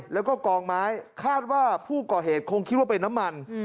แล้วก็กองไม้คาดว่าผู้ก่อเหตุคงคิดว่าเป็นน้ำมัน